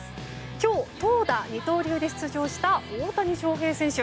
今日、投打二刀流で出場した大谷翔平選手。